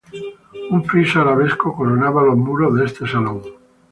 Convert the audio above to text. Un friso arabesco coronaba los muros de este salón.